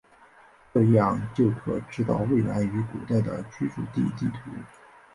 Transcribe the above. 这样就可知道未来与古代的居住地地图。